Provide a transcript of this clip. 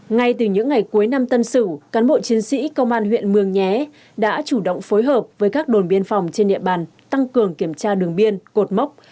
ngay từ những ngày cuối năm tân sử cán bộ chiến sĩ công an huyện mường nhé đã chủ động phối hợp với các đồn biên phòng trên địa bàn tăng cường kiểm tra đường biên cột mốc